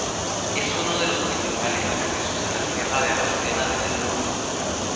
Es uno de los principales accesos a la Sierra de Aracena desde el norte.